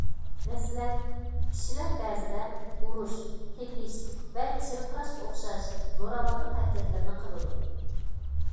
مەسىلەن: كىشىلەر بەزىدە ئۇرۇش، تېپىش ۋە چىرقىراشقا ئوخشاش زوراۋانلىق ھەرىكەتلىرىنى قىلىدۇ.